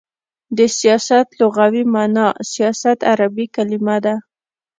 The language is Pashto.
د سیاست لغوی معنا : سیاست عربی کلمه ده.